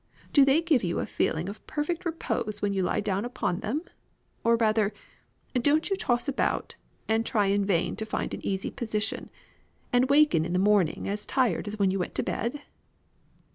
Do they give you a feeling of perfect repose when you lie down upon them; or rather, don't you toss about, and try in vain to find an easy position, and wake in the morning as tired as when you went to bed?"